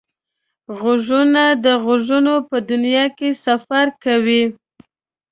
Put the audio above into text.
غوږونه د غږونو په دنیا کې سفر کوي